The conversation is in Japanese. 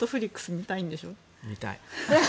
見たい。